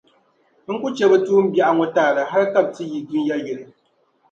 N ku chɛ bɛ tuumbiɛɣu ŋɔ taali hal ka bɛ ti yi dunia yili.